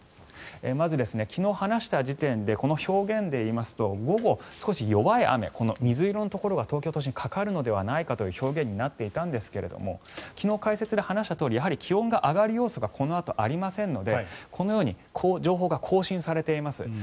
まず昨日話した時点でこの表現で言いますと午後、少し弱い雨水色のところが東京都心かかるんじゃないかという表現になっていたんですけど昨日、解説で話していたとおりやはり気温が上がる要素がこのあとありませんのでこのように情報が更新されています。